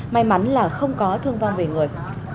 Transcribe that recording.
may mắn là không có thương vong về người